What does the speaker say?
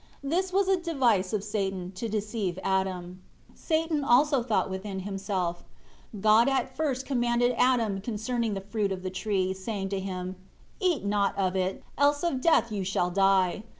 This was a device of Satan to deceive Adam. 10 Satan also thought within himself, "God at first commanded Adam concerning the fruit of the tree, saying to him, 'Eat not of it; else of death you shall die.'